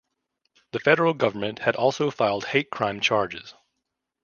The federal government had also filed hate crime charges.